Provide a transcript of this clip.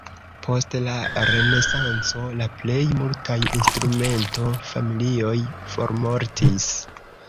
Post la renesanco la plej multaj instrumento-familioj formortis.